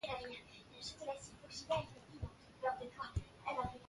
Bi bësè ñaran bum binted byan?